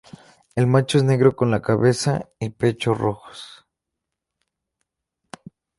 El macho es negro, con la cabeza y pecho rojos.